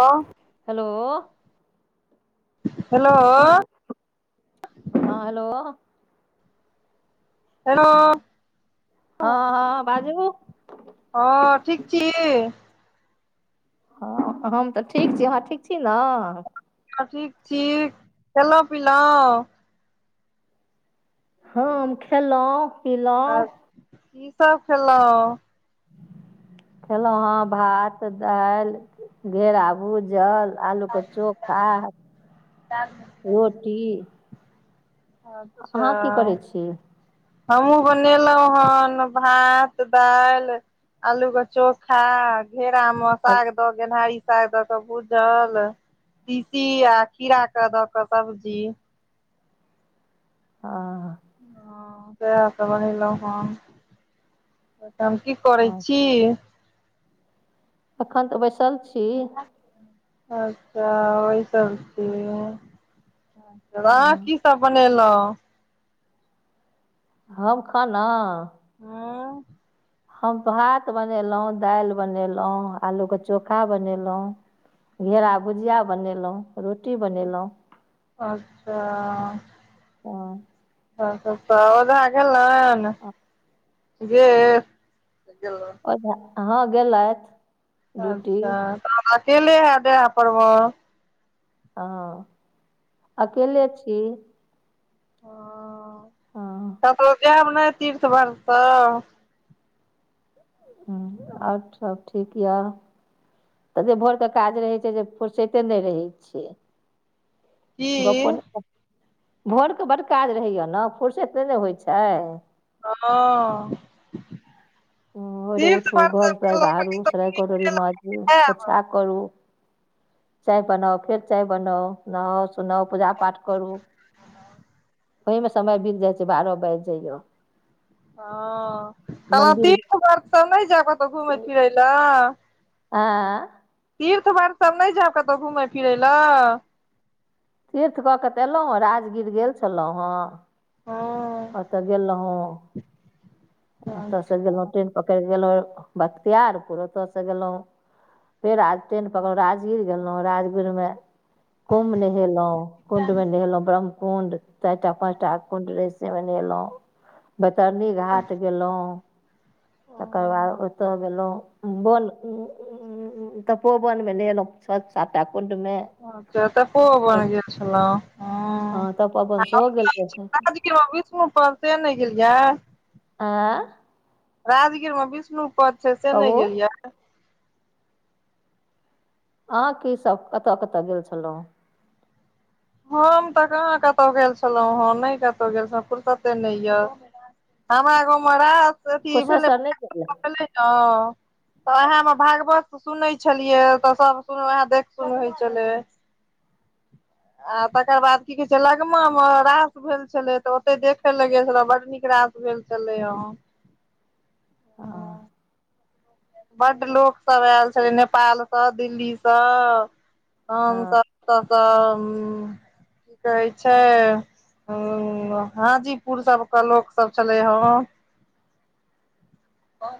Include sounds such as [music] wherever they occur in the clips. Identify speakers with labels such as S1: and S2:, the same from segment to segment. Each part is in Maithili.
S1: हँ
S2: हेलो
S1: हेलो
S2: हँ हेलो
S1: हेलो
S2: हँ हँ बाजू
S1: हँ ठीक छी
S2: हँ हम तऽ ठीक छी अहाॅं ठीक छी नऽ।
S1: हँ ठीक छी खेलौं पिलौं।
S2: हँ हम खेलौं पिलौं।
S1: आर की सब खेलौं।
S2: खेलौं हँ भात दालि घेरा भुजल। आलू के चोखा, रोटी।
S1: अच्छा।
S2: अहाँ की करै छी
S1: हमहुँ बनेलौ हन भात, दालि। आलू के चोखा घेरा मे साग दऽ गेनहारी साग दऽ कऽ भूजल। लऽ तीशी आ खीरा के दऽ कऽ सब्जी।
S2: हाँ।
S1: हाँ सेह तऽ बनेलौ हन तहन की करै
S2: हँ
S1: छी।
S2: अखन तऽ बैसल छी।
S1: अच्छा बैसल छियै। अहाँ
S2: हँ
S1: की सब बनेलौं।
S2: हम खाना
S1: हाँ।
S2: हम भात बनेलौं, दालि बनेलौं, आलू के चोखा बनेलौं। घेरा भुजिया बनेलौं, रोटी बनेलौं।
S1: अच्छा
S2: हँ
S1: तहन तऽ ओझा गेलनि गेल गेलनि।
S2: ओझा हाँ गेलथि। ड्यूटी
S1: अच्छा तहन अकेले हैब डेरा पर म।
S2: हाँ अकेले छी। हँ
S1: कतौ जैब नय तीर्थ भर तऽ।
S2: हूँ आओर सब ठीक ये। तते भोरके काज रहै छै जे फुर्सैते नय रहै छै।
S1: की
S2: गप्पो नय भोरके बड्ड काज रहैये न फुुरसत नय न होइ छै।
S1: हँ-
S2: भोरे
S1: तीर्थ
S2: उठू
S1: वर्थ सब
S2: घर तर
S1: कहलहुँ
S2: बहारू सराय कटोरी मांजू पोछा करू। चाय बनाउ फेर चाय बनाउ नहाउ सुनाउ पूजा पाठ करू। ओहि मे समय बीत जाय छै बारह बाजि जाइ य।
S1: हाँ कहलौं
S2: मन्दिर जाइ
S1: तीर्थव्रत सब नय जैब कतौ घूमय फिरय लऽ।
S2: आँय
S1: तीर्थ व्रत सब नय जैब कतौ घूमय फिरय लऽ।
S2: तीर्थ कऽ कऽ तऽ एलौं हँ राजगीर गेल छलौं हँ।
S1: हँ
S2: ओतऽ गेल रहौं। ओतयसँ गेलौं ट्रेन पकड़ि कऽ गेलौं बख्तियारपुर ओतयसे गेलौं फेर आज ट्रेन पकड़ि राजगीर गेलौं राजगीर मे कुंभ नहेलौं कुंड मे नहेलौं ब्रह्म कुंड चारटा, पांचटा कुंड रहे से मे नहेलौ बेतरनी घाट गेलौ तेकर बाद ओतेय गेलौ बन तपोवन मे नहेलौ छह, सातटा कुंड मे
S1: अच्छा तपोबन गेल छलौ
S2: हँ तपोवन
S1: हा
S2: सेहो गेल रहौँ
S1: कीयो विष्णू पदे ने गेलया।
S2: आ
S1: राजगीर मे विष्णु पद छै से ने
S2: कहू
S1: गेलया।
S2: अहाँ कि सभ कतय-कतय गेल छलौ।
S1: हम तऽ कहाँ कतो गेल छलौं, हा ने कतो गेल छौ फुुरसते ने या। हमरा गाव मे रास कि भेलै
S2: कुशेश्वर नहि गेलियै
S1: देखले छौ। उहा मे भागवत सुनै छलियै तऽ सभ सु वएह देख सुन होइ छलै। आ तकर बाद कि कहे छै लगमा मे रास भेल छले तऽ ओते देखे लगे छलै बड़ नीक रास भेलल तलय।
S2: अ ह
S1: बड़ लोक सभ आयल छलै। नेपालसँ, दिल्लीसँ
S2: हँ
S1: हमसभ तऽ कि कहै छै। ह हाजीपुर सभके लोक सभ छलै ह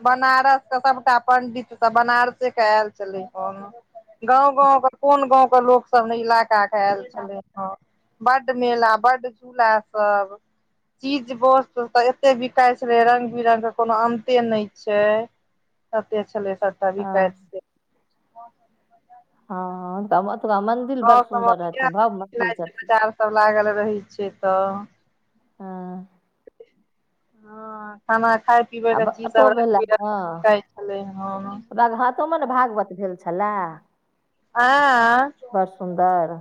S1: बनारसके सभटा पंडित सभ बनारसे के आयल छलै हन गाव गाव के कोन गाव के लोक सभ ने इलाका के आयल
S2: हँ
S1: छलैह बड़ मेला, बड़ झूला सभ चीज वस्त तऽ एते बिकाइत रहे रंग-बिरंग के कोनो अ ते नहि छै। कते छलै सस्ता
S2: हँ
S1: बिकायत स
S2: हँ तऽ तका मंन्दिर बड़
S1: गाँव
S2: सुन्दर हथिन, भव मन्दिर छथिन
S1: सभ लागल रहै छियै तऽ
S2: हँ
S1: हँ, खाना खाय पीबै
S2: आ
S1: के
S2: ब-
S1: चीज सभ
S2: अतो भेला
S1: रंग-बिरंग के
S2: हँ
S1: बिकाय छलय, हा
S2: तोमे ने भागवत भेल छलए।
S1: आ
S2: बड़ सुन्दर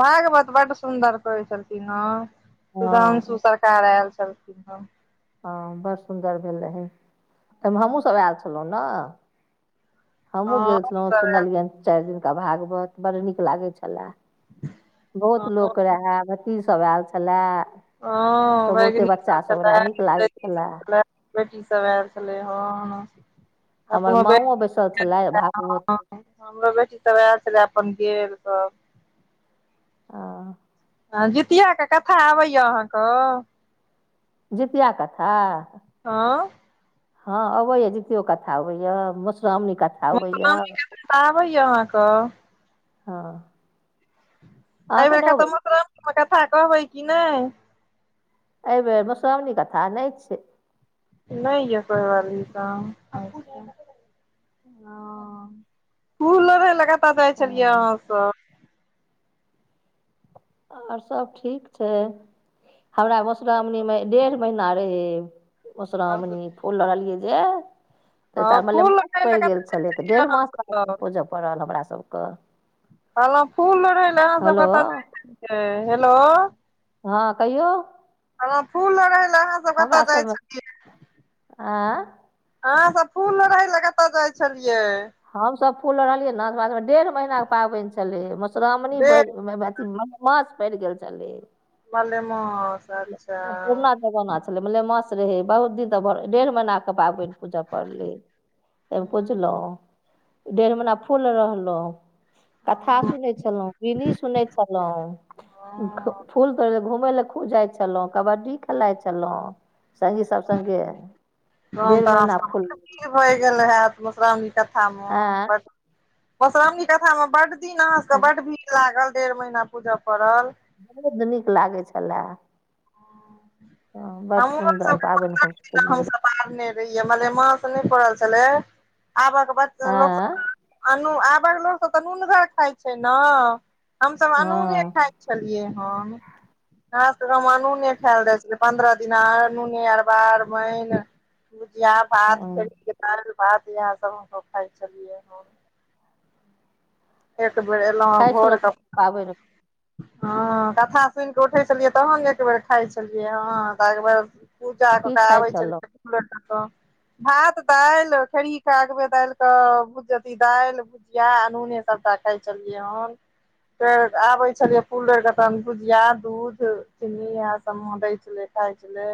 S1: भागवत बड़ सुदर कहे छलखिन ह। सुधांशु
S2: हँ
S1: स कार आयल सभ
S2: हँ बड़ सुन्दर भेल रहै। एहिमे हमहूँसभ आयल छलहुँ ने
S1: हँ
S2: हमहूँ गेल छलहुँ,
S1: सब आयल
S2: सुनलियनि चारि दिनका भागवत। बड़ नीक लागै छलए। बहुत
S1: हँ
S2: लोक रहे, भतीज सभ आयल छलए
S1: ह
S2: सब
S1: बैग
S2: बहुते बच्चासभ रहए नीक
S1: छल।
S2: लागै छलए
S1: बेटी सभ आयल छलै हे
S2: हमर
S1: अपनो बे
S2: माँओ बैसल छलथि भागवत
S1: हमरो बेटी तऽ वएह छले। अपन गेल त
S2: ह
S1: आ जीतिआ के कथा आबैएा अहाँकेँ
S2: जितिया कथा
S1: हा
S2: ह अबेया जितियो कथा अबेया, मधुश्रावणी कथा
S1: मे
S2: अबैया
S1: नीक तऽ आबैया अहाँकेँ
S2: ह
S1: एहि बेर कऽ तऽ मौश्रामणी मे कथा कहबै कि नहि
S2: एहि बेर मधुश्रावणी कथा नहि छै
S1: नहि या कोइ वाली त हा फूल लोड़ी जाइ छलियै
S2: हँ
S1: अहाँ सभ
S2: आओर सभ ठीक छै। हमरा मधुश्रावणीमे डेढ़ महीना रहै मधुश्रावणी फुल लोड़ी जे
S1: हँ
S2: तऽहिसँ
S1: फूल
S2: मलेमास
S1: लोढ़य लए
S2: पड़ि गेल
S1: कतऽ जाइ
S2: छलै तऽ
S1: छलियै
S2: डेढ़
S1: अहाँ
S2: मास त
S1: सब
S2: पूजय पड़ल हमराासभ केँ
S1: कहलहुँ फूल लोडी लऽ अहाँ सभ कतय जा छलिये हेलो
S2: हँ कहियो।
S1: ह फूल लोड़ि लए अहाँ सभ कतय जाइ छलिये
S2: अ
S1: अहाँ सभ फूल न रहै लए कतऽ जाइ छलियै
S2: हम सभ फूल रहलियै न हमा सभ के डेढ़ महीनाके पाबनि छलै। मुश्रावणी
S1: बे
S2: अथ मास पड़ि गेल छलै।
S1: मलेमास अच्छा।
S2: पुरना जमाना छले मलेमास रहै बहुत दिन तऽर डेढ़ महीनााक के पाबनि पूजा पढ़लि। एब
S1: हँ
S2: बुझलों डेढ़ महिना फूल रहलो कथा
S1: हँ
S2: सुनै छलो बिनी सुन छलो फूल त घूमय लए खू जाइ छलहुं कबड्डी खेलााय छलहुं सङ्गी सभ संगे
S1: रन तऽ अहाँ क भए गेल हैत मधुश्रावणी कथा में
S2: आँय
S1: बड़ मधुश्रावणी कथा मे बड दिन अहाँ सभके
S2: तऽ
S1: बड्ड भीड़ लागल डेढ़ महीना पूजय पड़ल
S2: बहुत नीक लागै छले। हा बड़ सुन्दर पाबन
S1: पारने रही मालेमास नहि पड़ल छलै आबक बच्च लोग त
S2: आँ
S1: अनु आबक लोकसभ तऽ नूनगर खाइ छै। ने हम सभ अनूने
S2: हँ
S1: खाइ छलियै हन हाँ त हम अनूने खायल खाइ छलिये पन्द्रह दिना अनूने अरबार आर्बन भुजिया भात
S2: ह
S1: खरीद के दाल भात यही सभ हम खााय छलियै हन एक बेर अयलहुँ हे
S2: खाइ छलहुँ
S1: भोरके
S2: पाबनि
S1: हँ कथा सुनि कऽ उठै छलियै तहन ने एकबेर खाइ छलियै हँ तऽ एकबेर पूजा
S2: की खाइ
S1: होइ
S2: छलहुँ
S1: छल भात दालि खेरेगबे दालिक के भुजजती दालि जिया अनूने सभ रखै छलियै हन फेर आबे छलियै फूल लर के तहन भुजिया दूध चीनी इह सभ दै छले खााय छले।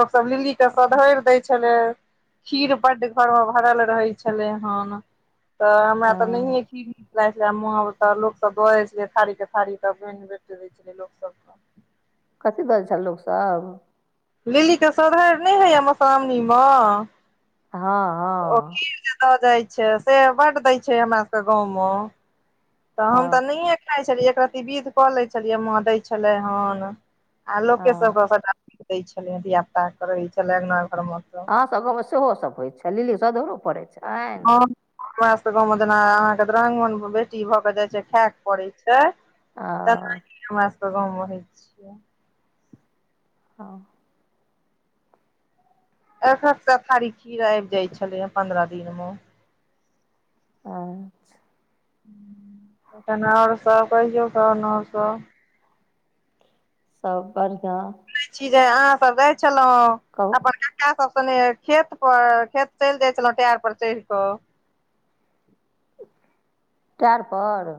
S1: लोक सभ लिलली के सधइर द छले खीर बड्ड घोर में भरल रहै छलै हन तऽ हमरा तऽ
S2: हँ
S1: नहिए खी छल लोक सब द दै छलै थारी के थारी तऽ ब बेट दै छलै लोक सभ के [unintelligible]
S2: कथी बैज छल लोक सभ
S1: लिली के सधार नहि होय मुश्रावणी में
S2: हा
S1: ओ खीर जे दऽ दै छै। से बड दै छै। हमरा सभ के गाँव में तऽ हम
S2: हँ
S1: तऽ नहिए खाइ छलियै एकरत्ती विधि कऽ लै छलियै माँ दै छलै हन आ लोक के
S2: हँ
S1: सभके सभटा दय छले धिया पुता कर रहे छले अङ्गना घोर में
S2: हम सभ गाँव मे सेहो सभ होइ छै। लिली सधरो पड़ै छै।
S1: हँ हमरासके गाँव में जेना अहाँके दरंगमन बेटी भऽ कऽ जाइत छै। खायके पड़ैत छै।
S2: हँ
S1: [unintelligible] हमरा सबके गाँवमेहै छियै
S2: हँ
S1: एक एक ता थारी खीर आइब जाय छलै हे पंन्द्रह दिन मे
S2: अच्छा
S1: तहन आओर सब रहियौ तहन आओर सब
S2: सब बढ़िआँ
S1: चीजे अहाँ सब गैल छलहुँ
S2: कहू
S1: अपन का ा सब सनि खेत पर खेत चैल जाइ छलहुं टायर पर चैढ़ कऽ
S2: टेएर पर?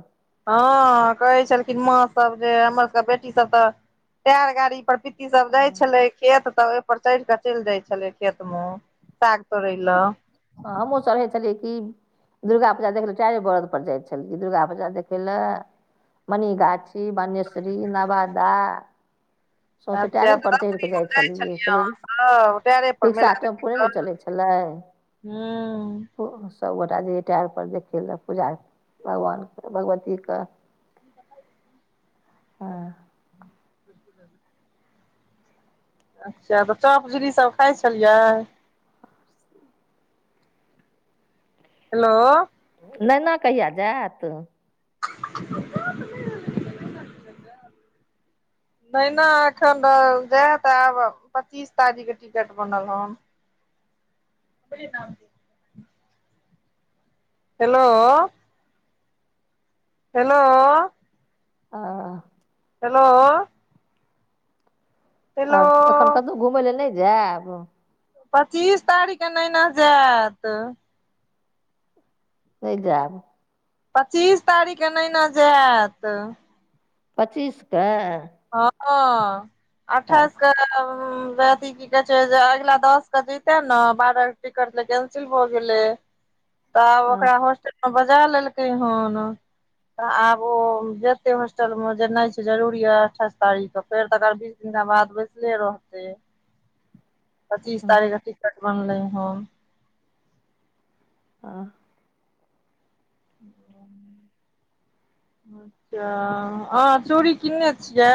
S1: हँ कहै छलखिन माँ सब जे हमर सब बेटी सब तऽ टेएर गाड़ी पर पीती सब जाइ छलै खेत तऽ पर चैढ़ कऽ चैल जाय छलै खेत मे, साग तोड़ै लऽ
S2: त हमहु सब रहै छलियै की दुर्गा पूजा देखै लए टेरे बरद पर जाय छलियै दुर्गा पूजा देखय लए मनिगाछी, बनेशरी, नवादा सौँसे
S1: अच्छा
S2: टायरे
S1: तऽ
S2: पर चढ़ि कऽ
S1: रातिमे जाइ छलियै
S2: पहिले
S1: अहाँ सब टायरे पर
S2: रिक्शा
S1: मेला देखै
S2: टेम्पू नहि ने
S1: लऽ
S2: चलै
S1: हुॅं
S2: सबगोटा जे टाइरपर देखै लए पूजा भगवानके, भगवतीके हँ
S1: [inaudible] अच्छा तऽ चॉप झिल्ली सब खाइ छलियै हेलो
S2: नैना कहिया जेएत
S1: [inaudible] तहिना अखन जाय त आब पच्चीस तारीख के टिकट बनल हन [inaudible] हेलो हेलो
S2: आ आ
S1: हेलो
S2: आर एखन
S1: हेलो
S2: कतौ घुमय लए नै जेएब
S1: पच्चीस तारीखके नैना जेएत
S2: नै जैत
S1: पच्चीस तारीखके नैना जेएत
S2: पच्चीस कऽ
S1: हँ अठाइश क [unintelligible] अथी की कहै छै जे अगिला दस के जते ने बारह टिकट त कैंसिल भ गेलै त आब ओकरा होस्टल ओ बजा लेलकै हन तऽ आब ओ जेतै होस्टल मे जेनाइ छै जरूरी यऽ अठाइस तारीख के फेर तऽ तकर बीस दिनका बाद बैसले रहतै पच्चीस तारीखके टिकट बनलै हन
S2: आ
S1: [inaudible] अच्छा अहाँ चूड़ी किनने छियै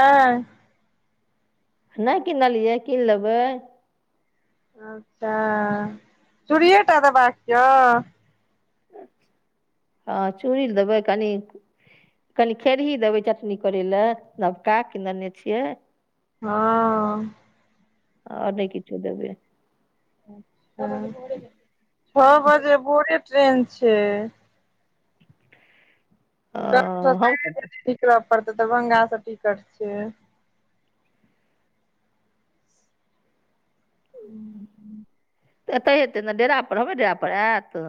S2: नै कीनलियै कीन लेबै
S1: अच्छा चूड़िये टा देबाक य
S2: हँ चूड़ी लऽ देबै कनी कनी खैरही देबै चटनी करे ले नबका किनने छियै
S1: हँ
S2: आओर नय किछो देबै।
S1: हंँ छौ बजे भोरे ट्रेन छै। कनी
S2: हम
S1: सबेरे बुझही निकल पड़तै दरभंगा से टिकट छै। [inaudible]
S2: तऽ एतैऽ हेतै ने डेरापर हमरे डेरा पर आयत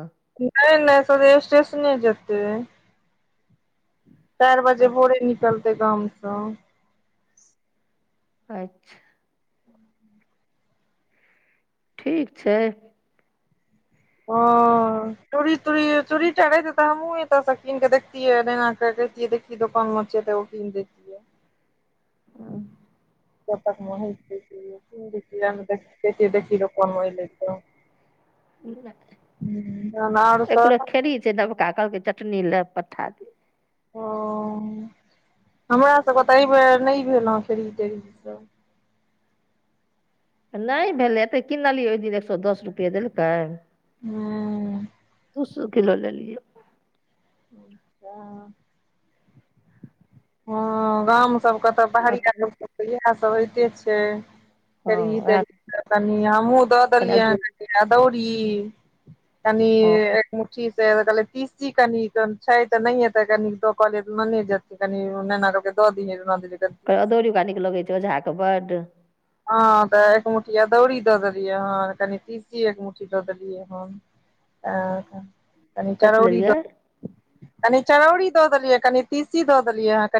S1: नय नय सोझे स्टेशने जेतै चारि बजे भोरे निकलतै गामसँ।
S2: अच्छा ठीक छै
S1: हंँ चूड़ी तूड़ी चूड़ी टा रहितै तऽ हमहुँ एतऽ सँ कीनक देखतियै नेहा के कहितियै देख की दोकान मे छियै तऽ एगो किन देति [unintelligible] [unintelligible] कहितियै देखहि ग कोनो एलै तऽ हुँ तहन आओर सब
S2: से नबका कहलकै चटनी ले पठा देब।
S1: ओ हमरा सबके तऽ एहि बेेर नय भेल हँ खेरही तेरही सब
S2: नय भेलैये एतेक किनलियै ओहि दिन एक सौ दस रुपैए देलकै
S1: हँ
S2: उसु किलो लेलियै
S1: अच्छा हँ गाम सभके तऽ बहरिया
S2: हँ
S1: सभके तऽ इएह सभ होइते छै खेरही
S2: उएह
S1: तेरही तऽ कनी हमहूँ दऽ
S2: कनि
S1: देलियै हेँ
S2: अदौरी,
S1: कनी अदौड़ी तनी
S2: हँ
S1: ए मुठी से कहलियै तीसी कनी तहन छै तऽ नहिये तऽ कनिको कहलियै लने जेतै। कनी ओ [unintelligible]
S2: फेर अदौडि ओका नीक लगै छै ओझाके बड्ड
S1: हँ तऽ एक मुट्ठी अदौडि दऽ देलियै हन कनी तीसी एक मुठ्ठी दऽ देलियै हन आ [inaudible] कनी
S2: कथी
S1: चरौडी दऽ
S2: लेलियै
S1: देलियै हन कनी चरौरी दऽ देलियै कनी तीसी दऽ देलियै हन कनी